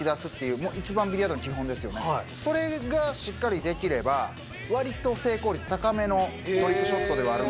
それがしっかりできれば割と成功率高めのトリックショットではあるので。